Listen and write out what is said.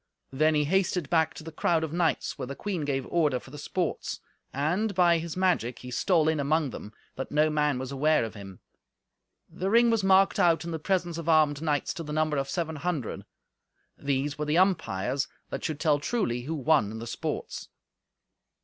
Then he hastened back to the crowd of knights, where the queen gave order for the sports, and, by his magic, he stole in among them, that no man was ware of him. The ring was marked out in the presence of armed knights to the number of seven hundred. These were the umpires, that should tell truly who won in the sports.